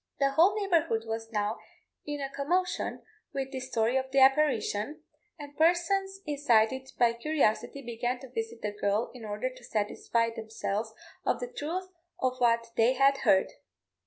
The whole neighbourhood was now in a commotion with this story of the apparition, and persons incited by curiosity began to visit the girl in order to satisfy themselves of the truth of what they had heard.